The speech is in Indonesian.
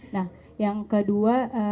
nah yang kedua